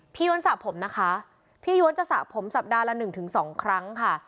ย้วนสระผมนะคะพี่ย้วนจะสระผมสัปดาห์ละ๑๒ครั้งค่ะ